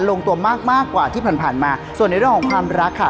ลงตัวมากมากกว่าที่ผ่านมาส่วนในเรื่องของความรักค่ะ